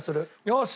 よし！